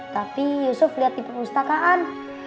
tapi yusuf lihat di perpustakaan